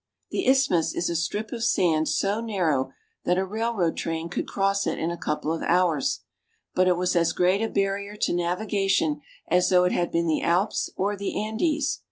The isthmus is a strip of sand so narrow that a railroad train could cross it in a couple of hours ; but it was as great a barrier to navi gation as though it had been the Alps or the Andes.